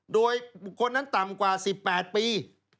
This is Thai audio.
โดยบุคคลนั้นต่ำกว่า๑๘ปี